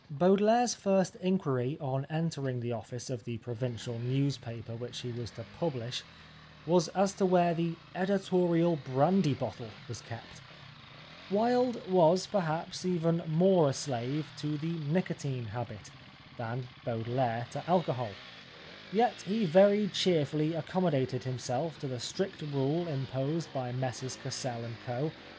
Baudelaire's first inquiry on entering the office of the provincial newspaper which he was 268 The Life of Oscar Wilde to publish, was as to where the "editorial brandy bottle " was kept. Wilde, was, perhaps, even more a slave to the nicotine habit, than Baudelaire, to alcohol, yet he very cheerfully accommodated himself to the strict rule im posed by Messrs Cassell & Co.